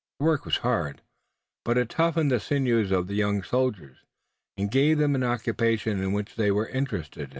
The work was hard, but it toughened the sinews of the young soldiers, and gave them an occupation in which they were interested.